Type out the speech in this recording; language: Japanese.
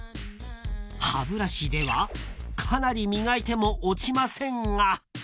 ［歯ブラシではかなり磨いても落ちませんが］